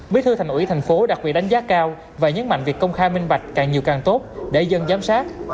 bí thư thành ủy tp hcm đặt quyền đánh giá cao và nhấn mạnh việc công khai minh bạch càng nhiều càng tốt để dân giám sát